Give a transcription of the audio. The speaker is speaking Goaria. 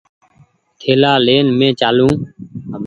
ٿيلآ لين مينٚ چآلون